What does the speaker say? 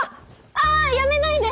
ああやめないで！